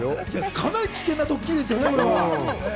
かなり危険なドッキリだよね、これ。